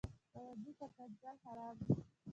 ګاونډي ته ښکنځل حرام دي